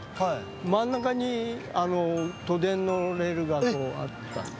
真ん中に都電のレールがそこあったんですよ。